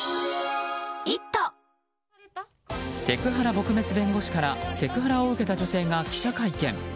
セクハラ撲滅弁護士からセクハラを受けた女性が記者会見。